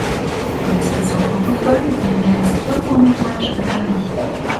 D'expression francophone, il réalise trois courts-métrages à Paris.